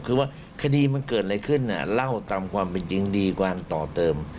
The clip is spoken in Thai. คือว่าคดีมันเกิดอะไรขึ้นเล่าตามความเป็นจริงดีการต่อเติม